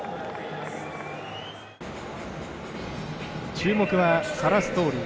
注目はサラ・ストーリー。